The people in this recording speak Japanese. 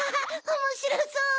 おもしろそう！